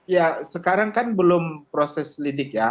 ya sekarang kan belum proses lidik ya